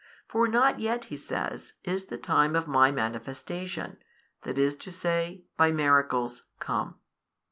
For not yet He says, is the time of My manifestation, i. e., by miracles, come.